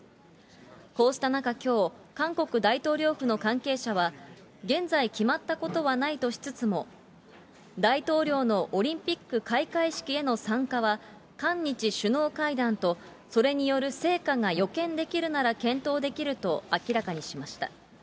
こうした中きょう、韓国大統領府の関係者は、現在決まったことはないとしつつも、大統領のオリンピック開会式への参加は、韓日首脳会談と、それによる成果が予見できるなら検討できると明らかにしました。